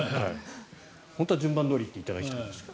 本当は順番どおりにいっていただきたいんですが。